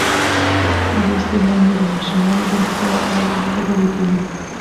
لوستې میندې د ماشومانو د روغتیا اړوند خبرې کوي.